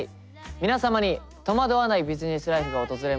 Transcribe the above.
皆様に戸惑わないビジネスライフが訪れますように。